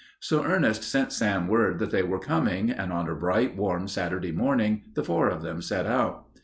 So Ernest sent Sam word that they were coming, and on a bright, warm Saturday morning the four of them set out.